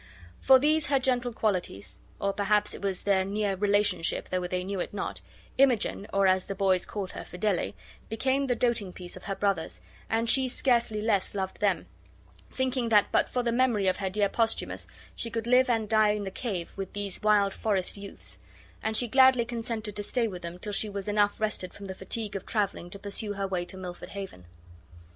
For these her gentle qualities (or perhaps it was their near relationship, though they knew it not) Imogen (or, as the boys called her, Fidele) became the doting piece of her brothers, and she scarcely less loved them, thinking that but for the memory of her dear Posthumus she could live and die in the cave with these wild forest youths; and she gladly consented to stay with them till she was enough rested from the fatigue of traveling to pursue her way to Milford Haven.